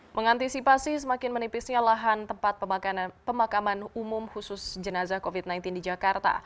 mengantisipasi semakin menipisnya lahan tempat pemakaman umum khusus jenazah covid sembilan belas di jakarta